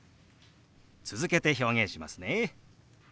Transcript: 続けて表現しますね。